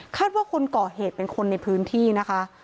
ว่าคนก่อเหตุเป็นคนในพื้นที่นะคะ